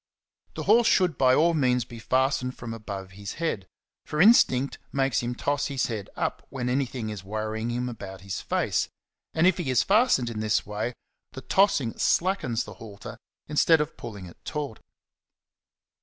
The horse should by all means be fastened from above his head ; for instinct makes him toss his head up when anything is worrying him about his face, and if he is fastened in this way, the tossing slackens the halter instead of pulling it taut.